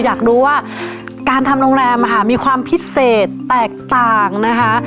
อยากรู้ว่าการทำโรงแรมมีความพิเศษแตกต่างนะคะ